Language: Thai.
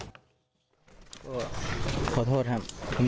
ทุกคนโดนกินคนหนึ่งแล้วก็เครื่องการที่มาด้วยอีก